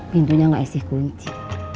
pintunya gak esi kunci